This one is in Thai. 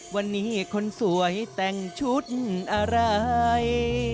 วันนี้คนสวยแต่งชุดอะไร